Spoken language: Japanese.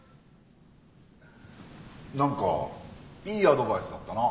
何かいいアドバイスだったな。